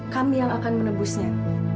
kami yang akan menebusnya